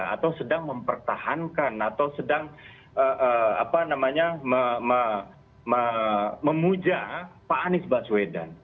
atau sedang mempertahankan atau sedang memuja pak anies baswedan